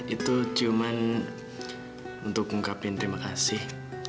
itu cuman untuk mengungkapkan terima kasih